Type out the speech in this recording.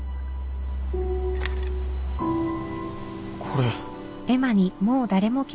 これ。